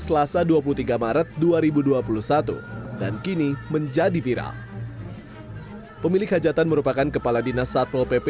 selasa dua puluh tiga maret dua ribu dua puluh satu dan kini menjadi viral pemilik hajatan merupakan kepala dinas satpol pp